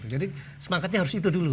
jadi semangatnya harus itu dulu